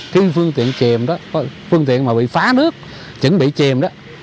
khi phương tiện chìm phương tiện mà bị phá nước chứng bị chìm đó